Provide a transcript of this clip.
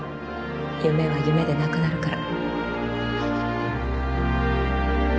夢は夢でなくなるから